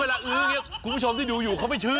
อื้ออย่างนี้คุณผู้ชมที่ดูอยู่เขาไม่เชื่อ